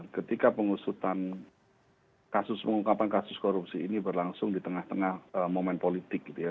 ketika pengusutan kasus pengungkapan kasus korupsi ini berlangsung di tengah tengah momen politik gitu ya